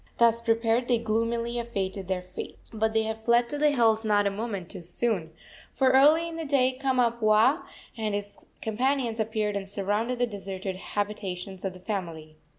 Thus prepared they gloomily awaited their fate. But they had fled to the hills not a moment too soon, for early in the day Kamapuaa and his companions appeared and surrounded the deserted habitations of the family.